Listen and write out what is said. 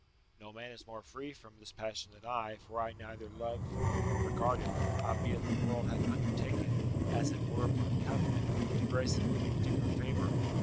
["No man is more free from this passion than I, for I neither love nor regard it: albeit the world hath undertaken, as it were upon covenant, to grace it with a particular favour.